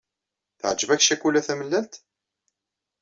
Teɛǧeb-ak ccakula tamellalt?